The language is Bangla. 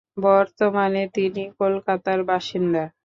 বর্তমানে তিনি কলকাতার বাসিন্দা।